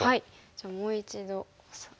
じゃあもう一度オシて。